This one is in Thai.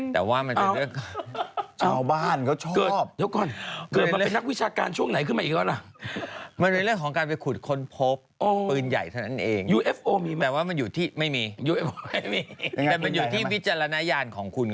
แต่วิจารณายารของคุณก็แล้วกัน